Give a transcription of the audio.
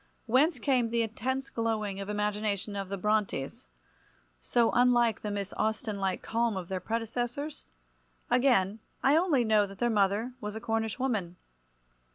Whence came the intense glowing imagination of the Brontes—so unlike the Miss Austen like calm of their predecessors? Again, I only know that their mother was a Cornish woman.